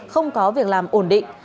không có việc làm ổn định